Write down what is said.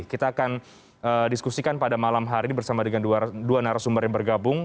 kita akan diskusikan pada malam hari bersama dengan dua narasumber yang bergabung